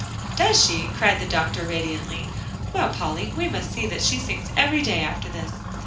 "Does she?" cried the doctor radiantly. "Well, Polly, we must see that she sings every day, after this."